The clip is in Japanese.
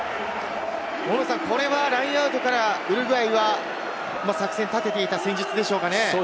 これはラインアウトからウルグアイは作戦立てていた戦術でしょうかね。